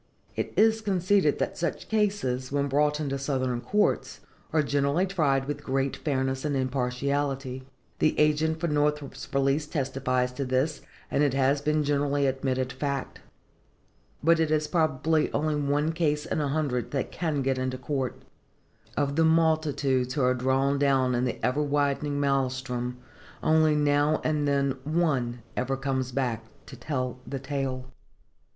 It is conceded that such cases, when brought into Southern courts, are generally tried with great fairness and impartiality. The agent for Northrop's release testifies to this, and it has been generally admitted fact. But it is probably only one case in a hundred that can get into court:—of the multitudes who are drawn down in the ever widening maëlstrom only now and then one ever comes back to tell the tale.